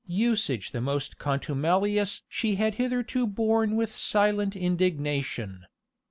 Usage the most contumelious she had hitherto borne with silent indignation.